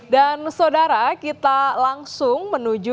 dan saudara kita langsung menuju